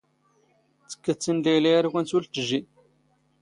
ⵜⴽⴽⴰ ⵜⵜ ⵉⵏⵏ ⵍⴰⵢⵍⴰ ⴰⵔ ⵓⴽⴰⵏ ⵙⵓⵍ ⵜⴻⵜⵜⵊⵊⵉ.